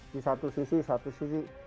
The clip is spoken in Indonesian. di satu sisi satu sisi